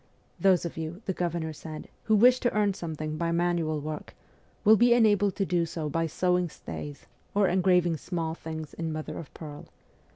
' Those of you,' the governor said, ' who wish to earn something by manual work, will be en abled to do so by sewing stays or engraving small things in mother of pearl.